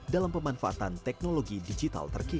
dalam pemanfaatan teknologi digital terkini